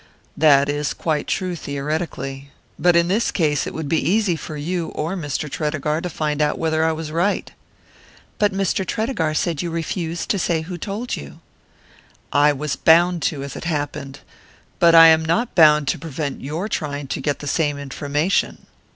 "That is quite true, theoretically. But in this case it would be easy for you or Mr. Tredegar to find out whether I was right." "But Mr. Tredegar said you refused to say who told you." "I was bound to, as it happened. But I am not bound to prevent your trying to get the same information."